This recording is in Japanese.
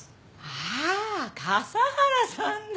ああ笠原さんの？